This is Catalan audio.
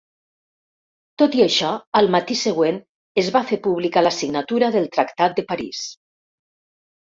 Tot i això, al matí següent es va fer pública la signatura del tractat de París.